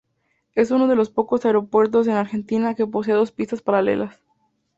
Es uno de los pocos aeropuertos en Argentina, que posee dos pistas paralelas.